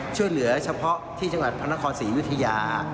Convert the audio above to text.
ช่วยเหลือกิดเสมอเฉพาะที่ชะพาทธนครศรีวิทยา